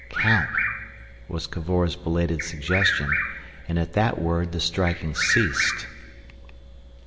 "Count," was Cavor's belated suggestion, and at that word the striking ceased.